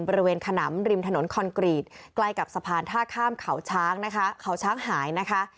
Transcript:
ขนำริมถนนคอนกรีตใกล้กับสะพานท่าข้ามเขาช้างนะคะเขาช้างหายนะคะ